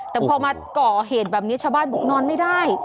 แต่พอมาก่อเหตุแบบนี้ชาวบ้านบอกนอนไม่ได้